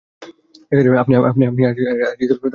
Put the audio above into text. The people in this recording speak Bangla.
আপনি আজই তাদের সাথে যেতে পারবেন।